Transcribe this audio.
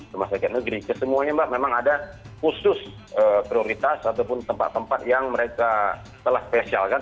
rumah sakit negeri kesemuanya mbak memang ada khusus prioritas ataupun tempat tempat yang mereka telah spesialkan